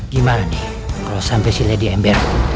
gimana nih kalau sampai si lady ember